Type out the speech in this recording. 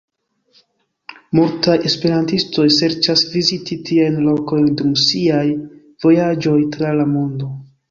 Multaj esperantistoj serĉas viziti tiajn lokojn dum siaj vojaĝoj tra la mondo.